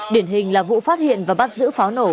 điển hình là vụ phát hiện và bắt giữ pháo nổ